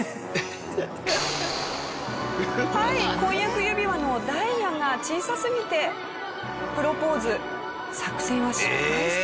婚約指輪のダイヤが小さすぎてプロポーズ作戦は失敗してしまいました。